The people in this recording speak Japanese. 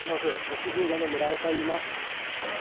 隠岐神社の村尾といいます。